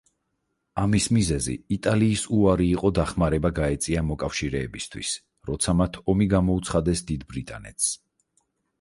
ამის მიზეზი იტალიის უარი იყო დახმარება გაეწია მოკავშირეებისთვის, როცა მათ ომი გამოუცხადეს დიდ ბრიტანეთს.